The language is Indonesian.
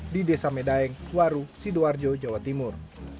di desa medaeng waru sidoarjo jawa timur